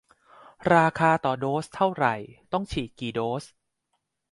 ราคาต่อโดสเท่าไร ต้องฉีดกี่โดส